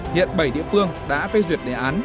hiện bảy địa phương đã phê duyệt đề án